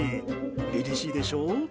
凛々しいでしょ？